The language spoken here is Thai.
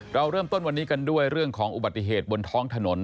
เราเริ่มต้นวันนี้กันด้วยเรื่องของอุบัติเหตุบนท้องถนน